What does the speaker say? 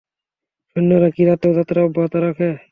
সৈন্যরা কি রাতেও যাত্রা অব্যাহত রাখে?